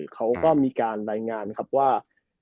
เขาก็มีการรายงานครับว่า